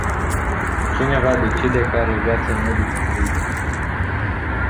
Cine va decide care viață merită trăită?